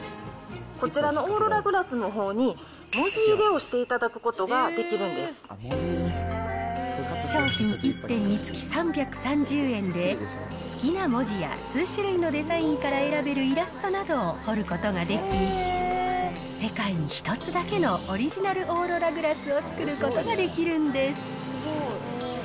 こちらのオーロラグラスのほうに、文字入れをしていただくこ商品１点につき３３０円で、好きな文字や、数種類のデザインから選べるイラストなどを彫ることができ、世界に１つだけのオリジナルオーロラグラスを作ることができるんです。